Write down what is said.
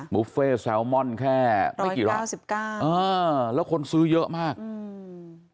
บุฟเฟ่แซลมอนแค่ร้อยเกี่ยวกับร้อยเกี่ยวกับอ้าวแล้วคนซื้อเยอะมากอืม